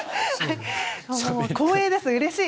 光栄です、うれしい。